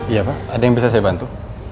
iya pak ada yang bisa saya bantu